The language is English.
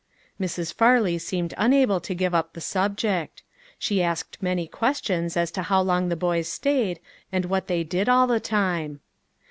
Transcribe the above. Mrs. Farley seemed unable to give up the subject. She asked many questions as to how long the boys stayed, and what they did all the time.